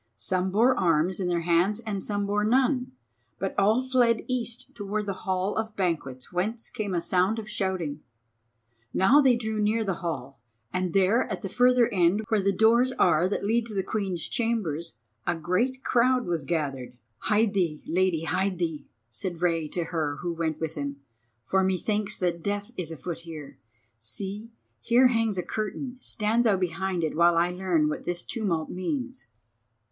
Some bore arms in their hands and some bore none, but all fled east towards the hall of banquets, whence came a sound of shouting. Now they drew near the hall, and there at the further end, where the doors are that lead to the Queen's chambers, a great crowd was gathered. "Hide thee, lady—hide thee," said Rei to her who went with him, "for methinks that death is afoot here. See, here hangs a curtain, stand thou behind it while I learn what this tumult means."